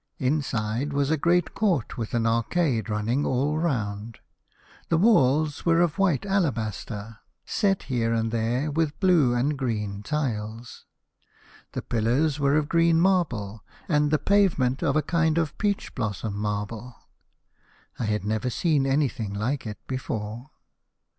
Inside was a great court with an arcade running all round. The walls were of white alabaster, set here and there with blue and green tiles. The pillars were of green marble, and the pavement of a kind of peach blossom marble. I had never seen anything like it before.